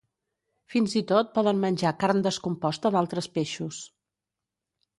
Fins i tot poden menjar carn descomposta d'altres peixos.